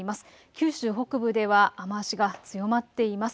九州北部では雨足が強まっています。